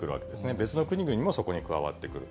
別の国々もそこに加わってくる。